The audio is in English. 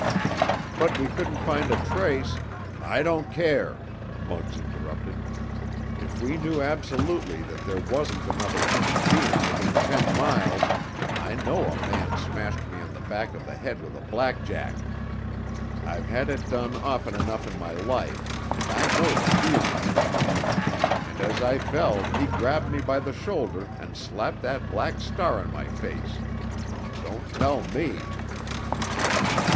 "But we couldn't find a trace——" "I don't care," Muggs interrupted; "if we knew absolutely that there wasn't another human bein' within ten miles—I know a man smashed me on the back of the head with a blackjack! I've had it done often enough in my life, and I know the feelin'! And as I fell he grabbed me by the shoulder and slapped that black star on my face! Don't tell me!"